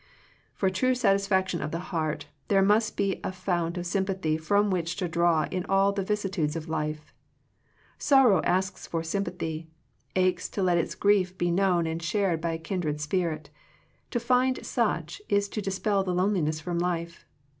For true satisfaction of the heart, th6re must be a fount of sympathy from which to draw in all the vicissitudes of life. Sorrow asks for sympathy, aches to let its griefs be known and shared by a kin dred spirit. To find such, is to dispel the loneliness from life.